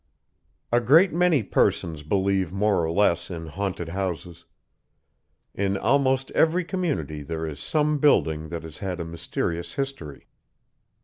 A great many persons believe more or less in haunted houses. In almost every community there is some building that has had a mysterious history.